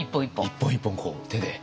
一本一本こう手で。